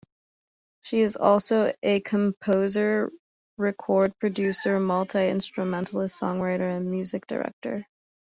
She is also a composer, record producer, multi-instrumentalist, songwriter, and music director.